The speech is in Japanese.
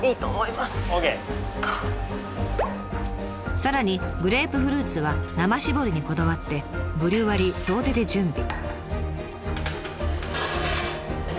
さらにグレープフルーツは生搾りにこだわってブリュワリー総出で準備。